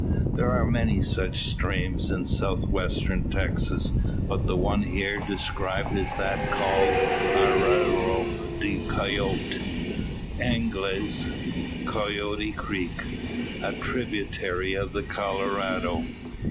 There are many such streams in South Western Texas; but the one here described is that called Arroyo de Coyote Anglice, "Coyote Creek" a tributary of the Colorado.